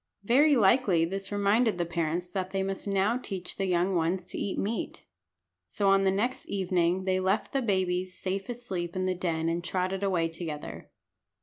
Very likely this reminded the parents that they must now teach the young ones to eat meat. So on the next evening they left the babies safe asleep in the den and trotted away together.